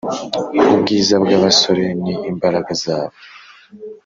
ubwiza bw’abasore ni imbaraga zabo